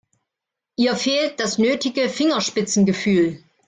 Ihr fehlt das nötige Fingerspitzengefühl.